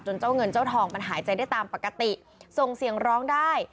เจ้าเงินเจ้าทองมันหายใจได้ตามปกติส่งเสียงร้องได้